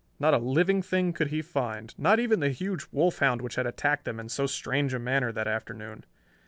Not a living thing could he find, not even the huge wolf hound which had attacked them in so strange a manner that afternoon.